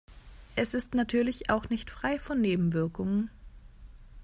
Es ist natürlich auch nicht frei von Nebenwirkungen.